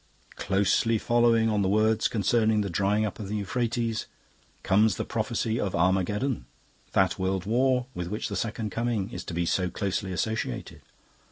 "Closely following on the words concerning the drying up of Euphrates comes the prophecy of Armageddon, that world war with which the Second Coming is to be so closely associated.